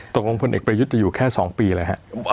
ตกลงผลเอกประยุทธจะอยู่แค่๒ปีเลยฮะ